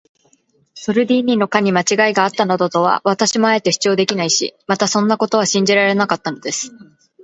ソルディーニの課にまちがいがあったなどとは、私もあえて主張できないし、またそんなことは信じられなかったのです。